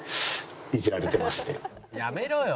やめろよ。